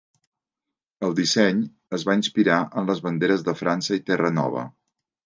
El disseny es va inspirar en les banderes de França i Terranova.